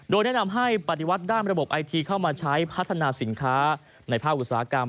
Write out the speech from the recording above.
โดยแนะนำให้ปฏิวัติด้านระบบไอทีเข้ามาใช้พัฒนาสินค้าในภาคอุตสาหกรรม